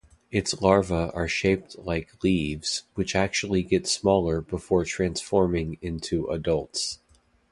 Its larvae are shaped like leaves, which actually get smaller before transforming into adults.